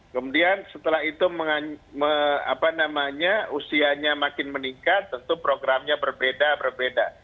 kemudian setelah itu usianya makin meningkat tentu programnya berbeda berbeda